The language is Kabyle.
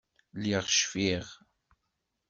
Lliɣ cfiɣ.